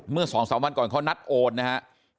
เมื่อ๒๓วันก่อนเขานัดโอนนะครับ